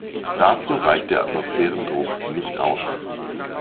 Dazu reicht der Atmosphärendruck nicht aus.